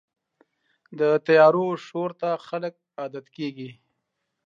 د طیارو شور ته خلک عادت کېږي.